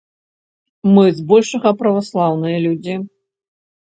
Мы збольшага праваслаўныя людзі.